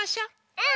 うん！